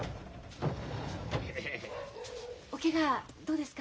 おケガどうですか？